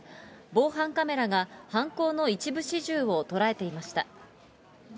防犯カメラが犯行の一部始終を捉えていました。